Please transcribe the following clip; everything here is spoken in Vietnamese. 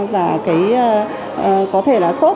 và có thể là suốt